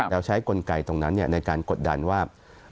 เราใช้กลไกตรงนั้นในการกดดันว่า